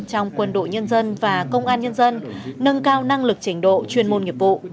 trong quân đội nhân dân và công an nhân dân nâng cao năng lực trình độ chuyên môn nghiệp vụ